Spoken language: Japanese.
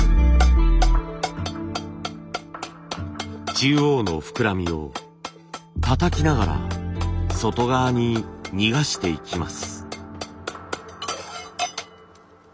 中央の膨らみをたたきながら外側に逃がしていきます。